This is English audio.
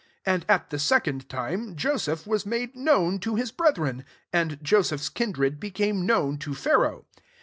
13 And, at the second iimct Joseph was made known to his brethren : and Joseph's kindred became known to Pharaoh.